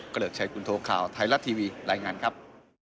เกริกชัยคุณโทข่าวไทยรัฐทีวีรายงานครับ